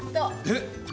えっ？